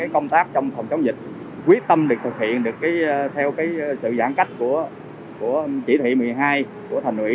công tác trong phòng chống dịch quyết tâm được thực hiện theo sự giãn cách của chỉ thị một mươi hai của thành ủy